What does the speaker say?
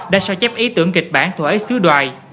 đã sao chép ý tưởng kịch bản thổ ấy sứ đoài